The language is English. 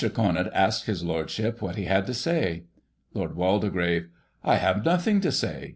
Conant asked his Lordship what he had to say.? Lord Waldegrave : I have nothing to say.